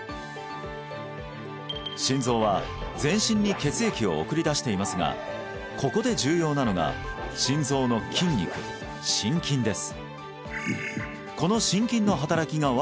心臓は全身に血液を送り出していますがここで重要なのが心臓の筋肉心筋です